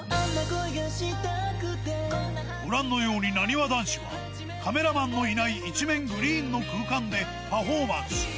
ご覧のように、なにわ男子は、カメラマンのいない一面グリーンの空間でパフォーマンス。